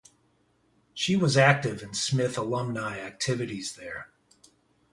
She was active in Smith alumnae activities there.